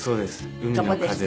海の風と。